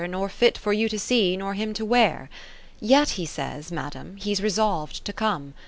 Nor fit for you to see, nor him to wear. Yet he says. Madam, he's resolv'd to come.